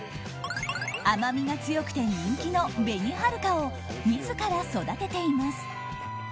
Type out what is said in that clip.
甘みが強くて人気の紅はるかを自ら育てています。